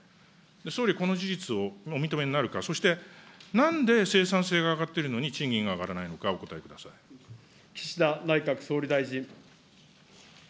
総理、この事実をもうお認めになるか、そしてなんで生産性が上がってるのに賃金が上がらないのか岸田内閣総理大臣。